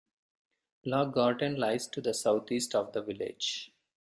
Loch Garten lies to the southeast of the village.